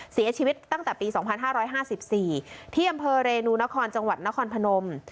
เสียชีวิตตั้งแต่ปี๒๕๕๔ที่อำเภอเรนูนครจังหวัดนครพนม